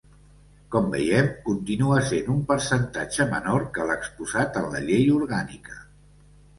Com veiem, continua sent un percentatge menor que l'exposat en la Llei Orgànica.